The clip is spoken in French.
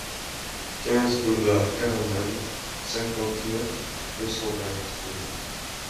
quinze boulevard Caraman, cinquante-neuf, deux cent vingt, Denain